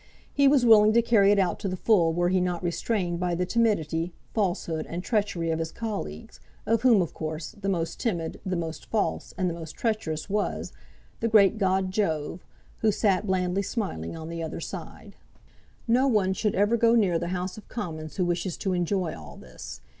He was willing to carry it out to the full were he not restrained by the timidity, falsehood, and treachery of his colleagues, of whom, of course, the most timid, the most false, and the most treacherous was the great god Jove, who sat blandly smiling on the other side. [Illustration: Great Jove.] No one should ever go near the House of Commons who wishes to enjoy all this.